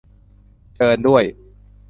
- เชิญด้วย